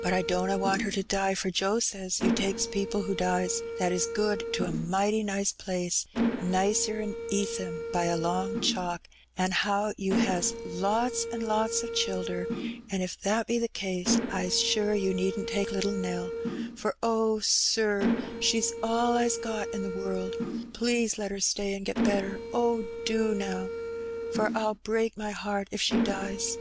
But I dunna want her to die, for Joe says You takes people who dies that is good to a mighty nice place; nicer^n Eastham by a long chalk, an' how You has lots an' lots o' childer; an' if that be the case, I's sure You needn't take little Nell; for oh, Sir, she's all I's got in the world. Please let her stay an' get better. Oh, do now ! for Pll break my heart if she dies.